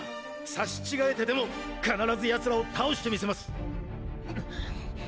刺し違えてでも必ず奴らを倒してみせます！